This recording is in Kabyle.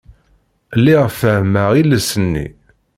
Lliɣ fehhmeɣ iles-nni.